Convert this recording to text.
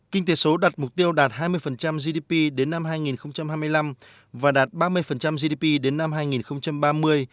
kinh tế số đặt mục tiêu đạt hai mươi gdp đến năm hai nghìn hai mươi năm và đạt ba mươi gdp đến năm hai nghìn ba mươi